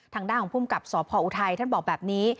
ทางด้านของภูมิกับสพออุทัยท่านบอกแบบนี้